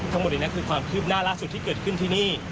ทั้งหมดนี้คือความคืบหน้าล่าสุดที่เกิดขึ้นที่นี่